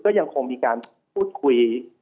ก็ยังคงมีการพูดคุย